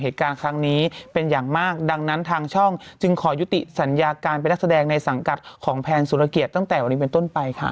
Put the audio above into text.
ทางนั้นทางช่องจึงขอยุติสัญญาการเป็นรักษาแดงในสังกัดของแผนสุรเกียรติตั้งแต่วันนี้เป็นต้นไปค่ะ